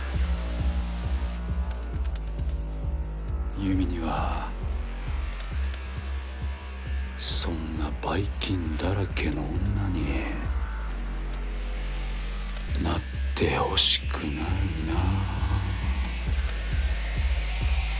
優美にはそんなばい菌だらけの女になってほしくないなあ。